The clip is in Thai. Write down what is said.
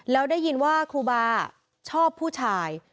แล้วได้ยินว่าครูบาชอบผู้ชาย